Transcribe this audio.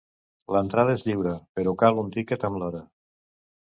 L'entrada és lliure, però cal un tiquet amb l'hora.